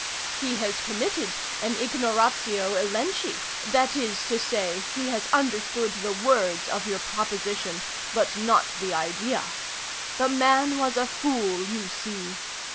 He has committed an ignoratio elenchi—that is to say, he has understood the words of your proposition, but not the idea. The man was a fool, you see.